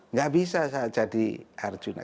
nggak bisa saya jadi arjuna